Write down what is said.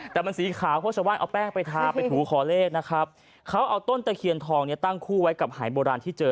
แต่มันสีขาวเพราะชาวบ้านเอาแป้งไปทาไปถูขอเลขนะครับเขาเอาต้นตะเคียนทองเนี่ยตั้งคู่ไว้กับหายโบราณที่เจอ